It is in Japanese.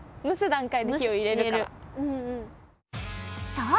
そう！